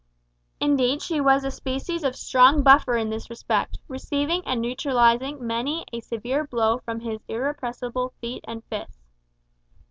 Indeed she was a species of strong buffer in this respect, receiving and neutralising many a severe blow from his irrepressible feet and fists.